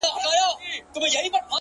زما هينداره زما زړه او زما پير ورک دی;